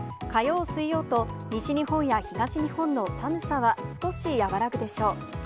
火曜、水曜と西日本や東日本の寒さは少し和らぐでしょう。